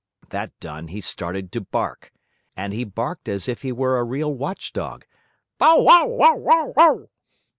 That done, he started to bark. And he barked as if he were a real watchdog: "Bow, wow, wow! Bow, wow!"